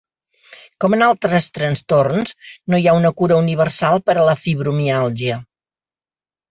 Com en altres trastorns, no hi ha una cura universal per a la fibromiàlgia.